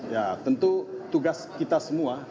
ya tentu tugas kita semua